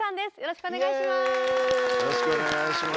よろしくお願いします。